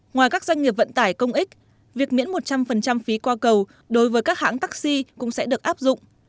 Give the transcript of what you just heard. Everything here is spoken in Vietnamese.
ngoài các doanh nghiệp vận tải công ích việc miễn một trăm linh phí qua cầu đối với các hãng taxi cũng sẽ được áp dụng